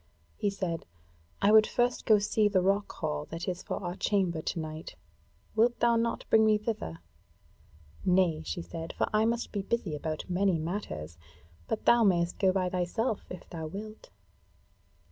He said: "I would first go see the rock hall that is for our chamber to night; wilt thou not bring me in thither?" "Nay," she said, "for I must be busy about many matters; but thou mayst go by thyself, if thou wilt."